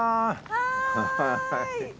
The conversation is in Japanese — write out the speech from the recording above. はい。